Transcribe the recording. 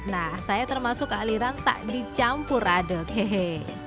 nah saya termasuk aliran tak dicampur aduk hehehe